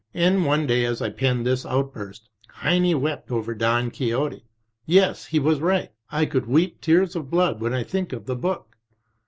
And one day I penned this outburst : "Heine wept over Don Quixote. Yes, he was right. I could weep tears of blood when I think of the book."